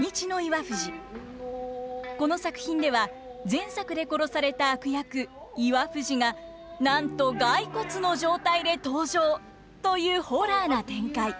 この作品では前作で殺された悪役岩藤がなんと骸骨の状態で登場というホラーな展開。